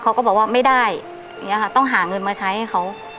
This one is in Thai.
ขยับต้องหาเงินมาใช้ไว้เขา